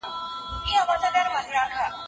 آيا موږ خپل کلتور ژوندی ساتو؟